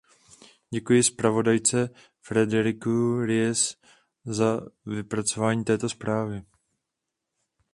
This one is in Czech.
Děkuji zpravodajce Frédérique Ries za vypracování této zprávy.